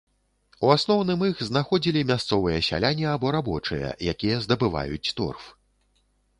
У асноўным іх знаходзілі мясцовыя сяляне або рабочыя, якія здабываюць торф.